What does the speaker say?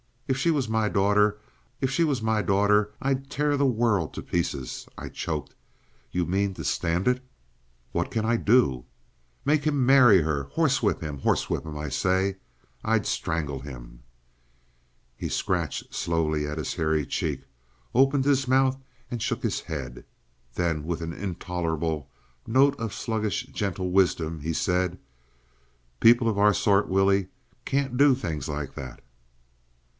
If she was my daughter—if she was my daughter—I'd tear the world to pieces!" .. I choked. "You mean to stand it?" "What can I do?" "Make him marry her! Horsewhip him! Horsewhip him, I say!—I'd strangle him!" He scratched slowly at his hairy cheek, opened his mouth, and shook his head. Then, with an intolerable note of sluggish gentle wisdom, he said, "People of our sort, Willie, can't do things like that."